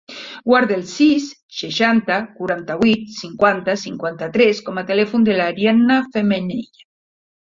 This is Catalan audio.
Guarda el sis, seixanta, quaranta-vuit, cinquanta, cinquanta-tres com a telèfon de l'Ariana Femenia.